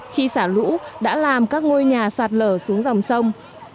khi xả lũ đã làm các ngôi nhà sạt lở xuống dòng sông